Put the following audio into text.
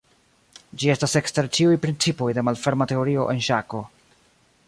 Ĝi estas ekster ĉiuj principoj de malferma teorio en ŝako.